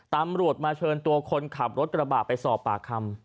ตามรวชมาเชิญของคนที่ขับรถกระบาดไปสอบป๋าคำ